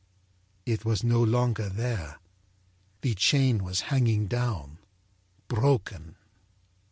It was no longer there. The chain was hanging down, broken.